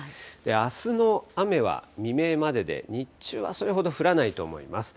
あすの雨は未明までで、日中はそれほど降らないと思います。